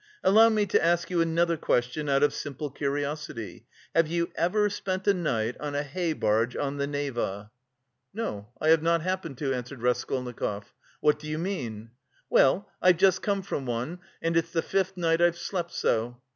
Allow me to ask you another question out of simple curiosity: have you ever spent a night on a hay barge, on the Neva?" "No, I have not happened to," answered Raskolnikov. "What do you mean?" "Well, I've just come from one and it's the fifth night I've slept so...."